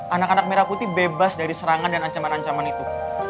anak anak merah putih bebas dari serangan dan ancaman ancaman itu